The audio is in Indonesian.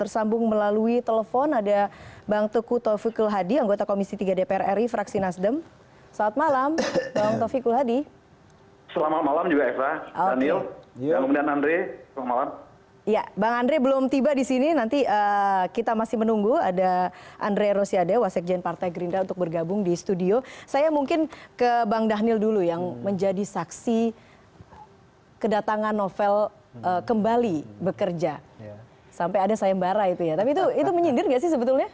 sampai ada sayembara itu ya tapi itu menyindir gak sih sebetulnya